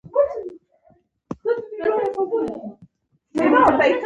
استاد د اصلاح نماینده وي.